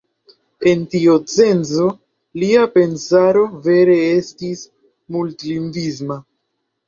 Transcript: En tiu senco, lia pensaro vere estis multlingvisma.